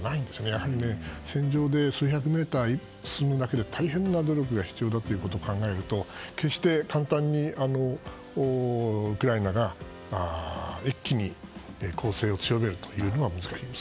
やはり、戦場で数百メートル進むだけで大変な努力が必要なことを考えると決して、簡単にウクライナが一気に攻勢を強めるというのは難しい。